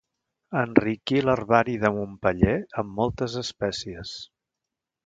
Enriquí l'herbari de Montpeller amb moltes espècies.